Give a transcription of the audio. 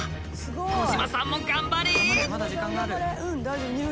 小島さんも頑張れ！